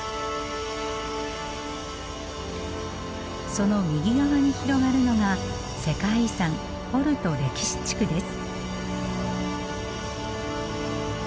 その右側に広がるのが世界遺産ポルト歴史地区です。